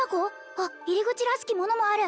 あっ入り口らしきものもある